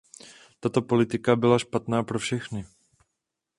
Tato politika byla špatná pro všechny.